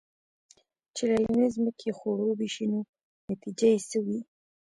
چې للمې زمکې خړوبې شي نو نتيجه يې څۀ وي؟